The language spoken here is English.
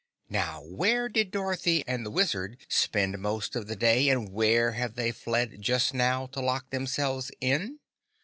Now where did Dorothy and the Wizard spend most of the day and where have they fled just now to lock themselves in?